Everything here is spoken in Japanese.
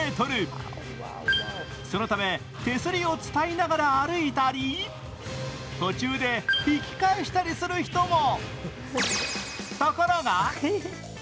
そのため、手すりを伝いながら歩いたり途中で引き返したりする人も。